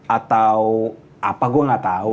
atau apa gue gak tau